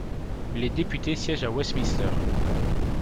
Les députés siègent à Westminster.